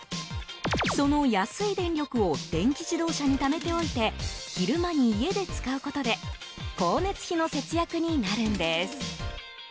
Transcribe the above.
その安い電力を電気自動車にためておいて昼間に家で使うことで光熱費の節約になるんです。